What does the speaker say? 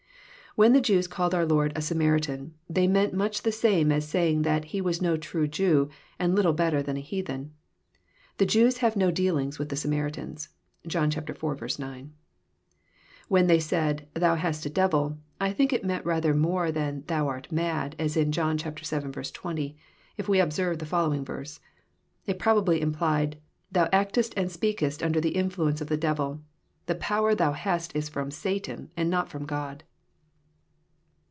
When the Jews called our Lord " a Samaritan," they meant much the same as saying that He was mrtrue Jew, and little better than a heatlien. The Jews havejiS dealings with the Samaritans." (John iv. 9.) When they said, "Thou hast a devil," I think it meant rather more than '* thou art mad," as in John vii. 20, if we observe the following verse. It probably implied, " Thou actest and speakest under the influence of the devil. The power Thou hast is from Satan, and not from God."